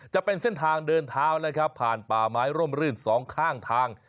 จะเป็นเส้นทางเดินเท้านะครับผ่านป่าไม้ร่มรื่นสองข้างทาง